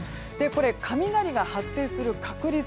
これ、雷が発生する確率。